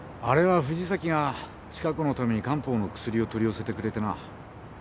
あれは藤崎が千香子のために漢方の薬を取り寄せてくれてな。